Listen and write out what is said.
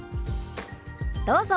どうぞ。